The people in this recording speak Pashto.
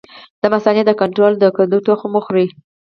د مثانې د کنټرول لپاره د کدو تخم وخورئ